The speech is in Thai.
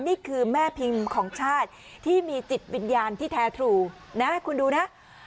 นี่คือแม่พิมพ์ของชาติที่มีจิตวิญญาณที่แท้ทรูนะให้คุณดูนะ